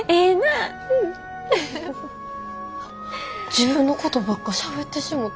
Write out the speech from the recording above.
自分のことばっかしゃべってしもた。